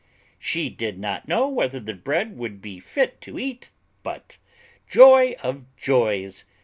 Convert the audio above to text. She did not know whether the bread would be fit to eat, but joy of joys!